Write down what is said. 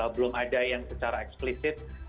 belum ada yang secara eksplisit